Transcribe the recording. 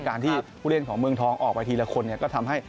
การที่ผู้เล่นของเมืองทองออกไปทีละคนก็ทำให้